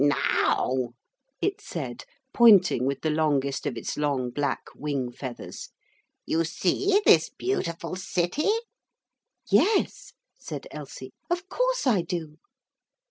'Now,' it said, pointing with the longest of its long black wing feathers, 'you see this beautiful city?' 'Yes,' said Elsie, 'of course I do.'